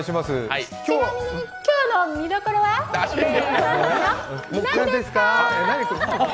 ちなみに今日の見どころはなんですか？